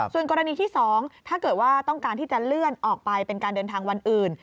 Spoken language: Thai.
ส่วนกรณีที่๒ถ้าเกิดว่าต้องการที่จะเลื่อนออกไปเป็นการเดินทางวันอื่น